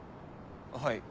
はい。